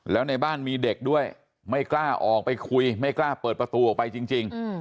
แล้วในบ้านมีเด็กด้วยไม่กล้าออกไปคุยไม่กล้าเปิดประตูออกไปจริง